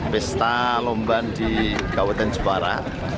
pesta lomban di kabupaten jepara